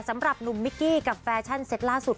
สำหรับหนุ่มมิกกี้กับแฟชั่นเซ็ตล่าสุด